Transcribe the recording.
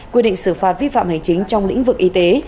quy định xử phạt vi phạm hành chính trong lĩnh vực y tế